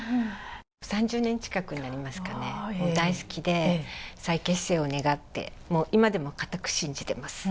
３０年近くになりますかね、大好きで再結成を願って、もう今でも固く信じています。